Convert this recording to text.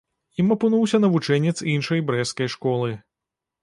Ім апынуўся навучэнец іншай брэсцкай школы.